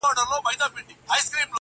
• ها د ښكلا شاپېرۍ هغه د سكون سهزادگۍ.